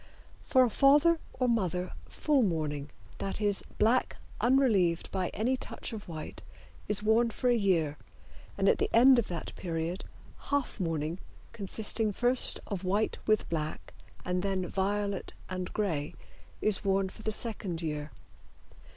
For a father or mother full mourning, that is, black unrelieved by any touch of white, is worn for a year, and at the end of that period half mourning, consisting first of white with black, and then violet and gray, is worn for the second year.